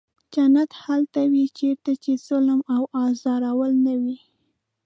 جنت هلته وي چېرته چې ظلم او ازارول نه وي.